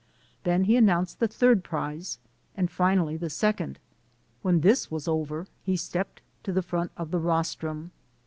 Then he announced the third prize and fin ally the second. When this was over, he stepped to the front of the rostrum.